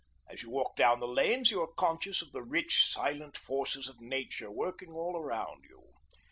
As you walk down the lanes you are conscious of the rich, silent forces of nature working all around you.